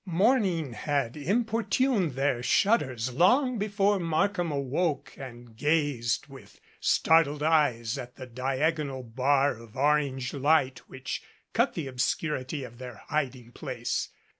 Morning had importuned their shutters long before Markham awoke and gazed with startled eyes at the diag onal bar of orange light which cut the obscurity of their hiding place.